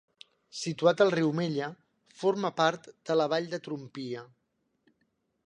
Situat al riu Mella, forma part de la vall de Trompia.